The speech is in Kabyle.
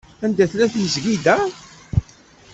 Anda tella tmezgida?